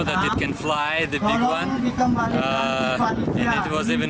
kita tidak yakin bahwa ini bisa terbang yang besar